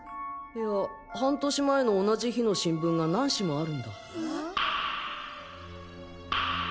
いや半年前の同じ日の新聞が何紙もあるんだ。